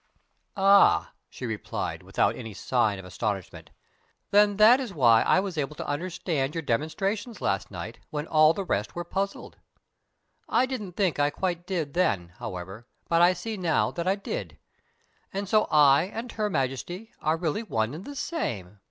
"Ah!" she replied, without any sign of astonishment. "Then that is why I was able to understand your demonstrations last night when all the rest were puzzled. I didn't think I quite did then, however, but I see now that I did. And so I and Her Majesty are really one and the same!